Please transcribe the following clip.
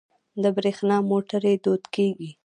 د بریښنا موټرې دود کیږي.